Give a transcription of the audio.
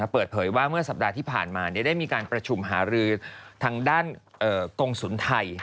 เปิดเผยว่าเมื่อสัปดาห์ที่ผ่านมาได้มีการประชุมหารือทางด้านกรงศูนย์ไทย